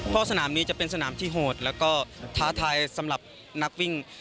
เพราะสนามนี้จะเป็นสนามที่โหดแล้วก็ท้าทายสำหรับนักวิ่ง